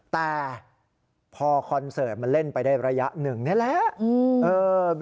แต่พอคอนเสิร์ตมันเล่นไปได้ระยะหนึ่งนี่แหละ